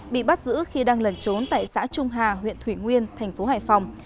bị bắt giữ khi đang lẩn trốn tại xã trung hà huyện thủy nguyên thành phố hải phòng